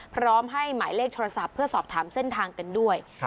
พร้อมให้หมายเลขโทรศัพท์เพื่อสอบถามเส้นทางกันด้วย